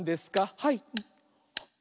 はい！」